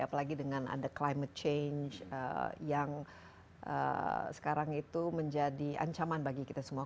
apalagi dengan ada climate change yang sekarang itu menjadi ancaman bagi kita semua